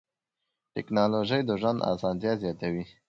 ټکنالوجي د ژوند اسانتیا زیاتوي.